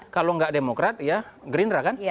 kalau nggak demokrat ya gerindra kan